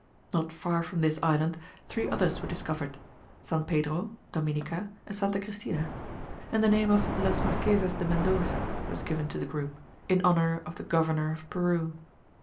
Not far from this island three others were discovered, San Pedro, Dominica, and Santa Christina, and the name of las Marquezas de Mendoça was given to the group, in honour of the governor of Peru.